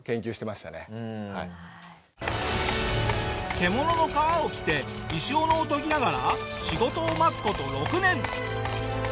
獣の皮を着て石斧を研ぎながら仕事を待つ事６年。